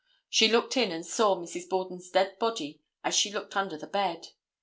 She looked in and saw Mrs. Borden's dead body as she looked under the bed.